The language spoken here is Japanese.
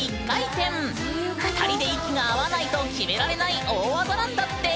２人で息が合わないと決められない大技なんだって！